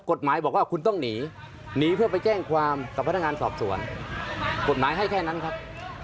กฎหมายให้แค่นั้นครับ